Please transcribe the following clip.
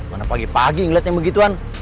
mana pagi pagi ngeliatnya begituan